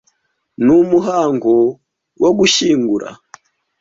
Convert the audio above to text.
ni umuhango wo gushyingura